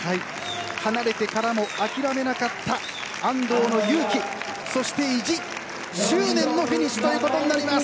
離れてからも諦めなかった安藤の勇気そして意地、執念のフィニッシュということになります。